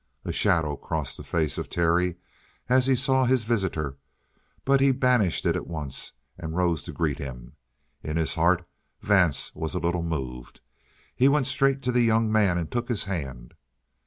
A shadow crossed the face of Terry as he saw his visitor, but he banished it at once and rose to greet him. In his heart Vance was a little moved. He went straight to the younger man and took his hand.